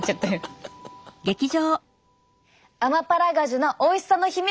アマパラガジュのおいしさの秘密